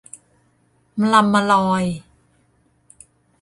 มะลำมะลอย